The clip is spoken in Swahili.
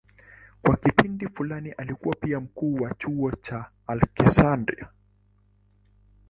Kwa kipindi fulani alikuwa pia mkuu wa chuo cha Aleksandria.